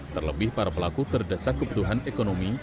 terlebih para pelaku terdesak kebutuhan ekonomi